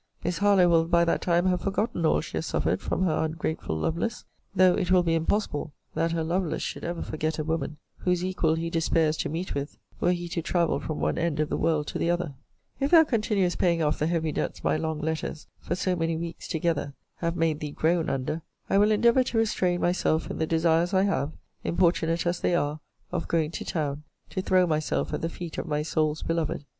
Miss Harlowe will by that time have forgotten all she has suffered from her ungrateful Lovelace: though it will be impossible that her Lovelace should ever forget a woman, whose equal he despairs to meet with, were he to travel from one end of the world to the other. If thou continuest paying off the heavy debts my long letters, for so many weeks together, have made thee groan under, I will endeavour to restrain myself in the desires I have, (importunate as they are,) of going to town, to throw myself at the feet of my soul's beloved.